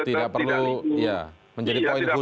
tidak perlu diatur atur lagi